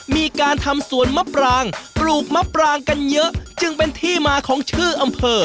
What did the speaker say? มีการทำสวนมะปรางปลูกมะปรางกันเยอะจึงเป็นที่มาของชื่ออำเภอ